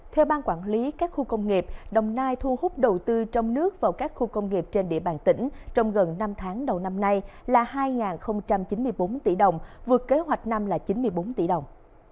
theo ban quản lý các khu công nghiệp đồng nai thu hút đầu tư trong nước vào các khu công nghiệp trên địa bàn tỉnh trong gần năm tháng đầu năm nay là hai chín mươi bốn tỷ đồng vượt kế hoạch năm là chín mươi bốn tỷ đồng